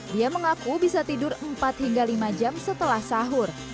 dia mengaku bisa tidur empat hingga lima jam setelah sahur